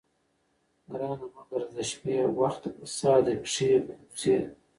ګرانه مه ګرځه د شپې، وخت د فساد دي کښې بوځې